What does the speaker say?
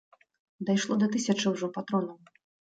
Дайшло да тысячы ўжо патронаў.